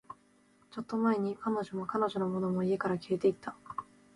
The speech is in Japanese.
ちょっと前に、彼女も、彼女のものも、家から消えていった